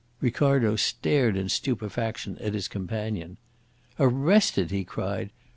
Ricardo stared in stupefaction at his companion. "Arrested!" he cried.